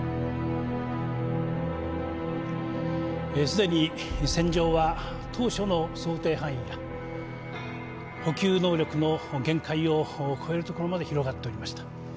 既に戦場は当初の想定範囲や補給能力の限界を超えるところまで広がっておりました。